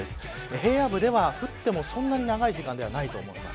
平野部では降ってもそんなに長い時間ではないと思います。